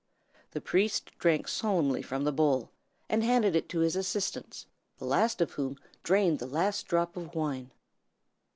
The priest drank solemnly from the bowl, and handed it to his assistants, the last of whom drained the last drop of wine.